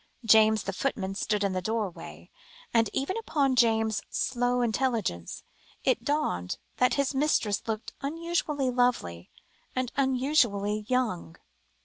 James, the footman, stood in the doorway, and even upon James's slow intelligence, it dawned that his mistress looked unusually lovely, and unusually young.